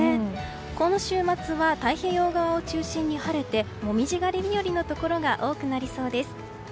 この週末は太平洋側を中心に晴れて紅葉狩り日和のところが多くなりそうです。